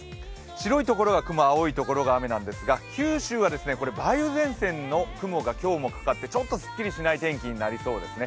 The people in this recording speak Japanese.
白いところが雲、青いところが雨なんですが、九州はこれ、梅雨前線の雲が今日もかかってちょっとすっきりしない天気になりそうですね。